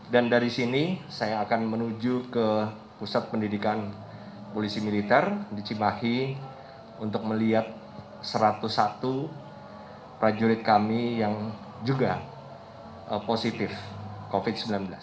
dan dari sini saya akan menuju ke pusat pendidikan polisi militer di cibahi untuk melihat satu ratus satu prajurit kami yang juga positif covid sembilan belas